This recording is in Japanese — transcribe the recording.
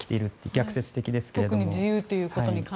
逆説的ですけれども。